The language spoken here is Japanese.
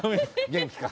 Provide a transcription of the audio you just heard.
元気か？